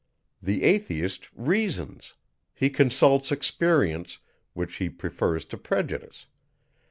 The Atheist reasons: he consults experience, which he prefers to prejudice.